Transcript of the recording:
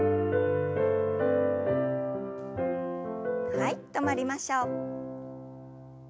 はい止まりましょう。